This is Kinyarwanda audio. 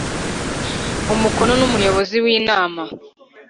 Umukono N Umuyobozi W Inama